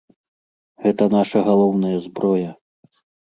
Гэта наша галоўная зброя.